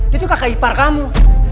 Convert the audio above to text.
dia tuh kakak ipar kamu